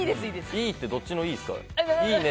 いいってどっちのいいですか。